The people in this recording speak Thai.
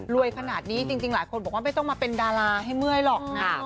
ขนาดนี้จริงหลายคนบอกว่าไม่ต้องมาเป็นดาราให้เมื่อยหรอกนะ